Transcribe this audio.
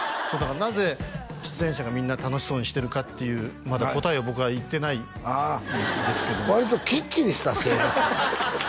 なぜ出演者がみんな楽しそうにしてるかっていうまだ答えを僕が言ってないんですけど割ときっちりした性格